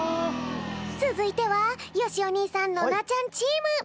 つづいてはよしお兄さんノナちゃんチーム！